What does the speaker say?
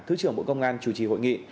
thứ trưởng bộ công an chủ trì hội nghị